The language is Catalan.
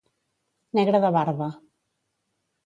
Negre de barba.